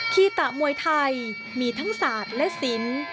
ขีตะมวยไทยมีทั้งศาสตร์และศิลป์